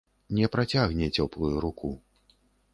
Не працягне цёплую руку.